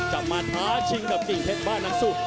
จะมาท้าชิงกับกิ่งเพชรบ้านหลังสุก